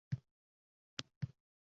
Muyassar edi.